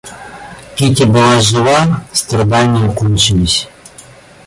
Кити была жива, страдания кончились.